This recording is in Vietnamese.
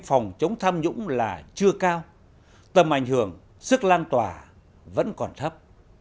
phòng chống tham nhũng là chưa cao tầm ảnh hưởng sức lan tỏa vẫn còn thấp